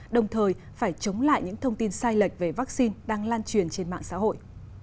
đồng thời phải chống lại những thông tin sai lệch về vaccine đang lan truyền trên mạng xã hội